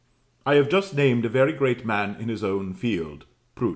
I have just named a very great man in his own field Prout.